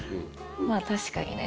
まぁ確かにね。